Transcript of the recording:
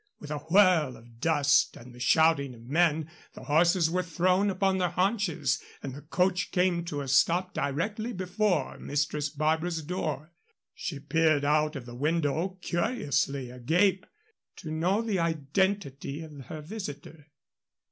With a whirl of dust and the shouting of men the horses were thrown upon their haunches and the coach came to a stop directly before Mistress Barbara's door. She peered out of the window, curiously agape, to know the identity of her visitor.